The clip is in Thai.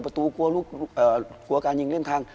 ประตูกลัวการยิงเล่นทาง